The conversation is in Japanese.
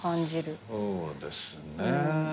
そうですね。